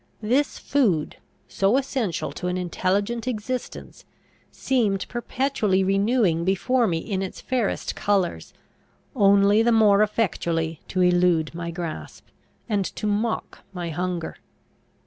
This food, so essential to an intelligent existence, seemed perpetually renewing before me in its fairest colours, only the more effectually to elude my grasp, and to mock my hunger.